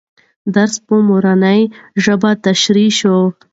درس په مورنۍ ژبه تشریح سو.